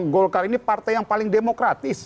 golkar ini partai yang paling demokratis